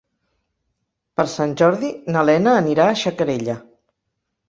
Per Sant Jordi na Lena anirà a Xacarella.